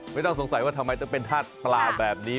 ไม่ต้องสงสัยว่าทำไมจะเป็นท่าปลาแบบนี้